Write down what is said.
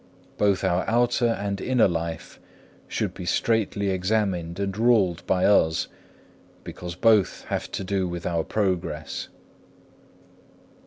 Both our outer and inner life should be straitly examined and ruled by us, because both have to do with our progress.